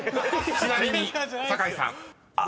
［ちなみに酒井さん］